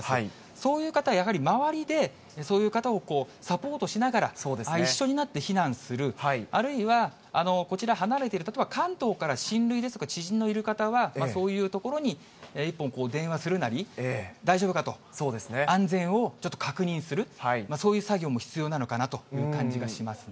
そういう方は、やはり周りでそういう方をサポートしながら、一緒になって避難する、あるいは、こちら離れている、例えば関東から親類ですとか、知人のいる方は、そういう所に一本電話するなり、大丈夫かと、安全をちょっと確認する、そういう作業も必要なのかなという感じがしますね。